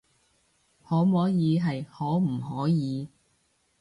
可摸耳係可唔可以